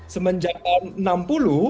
semenjak tahun seribu sembilan ratus enam puluh